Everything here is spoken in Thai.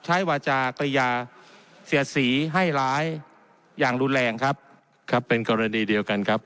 วาจากยาเสียดสีให้ร้ายอย่างรุนแรงครับครับเป็นกรณีเดียวกันครับ